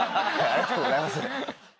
ありがとうございます。